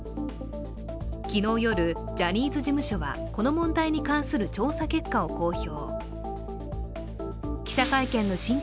昨日の夜、ジャニーズ事務所はこの問題に関する調査結果を公表。